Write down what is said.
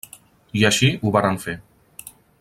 I així ho varen fer.